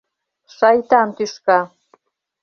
Шайтан тӱшка!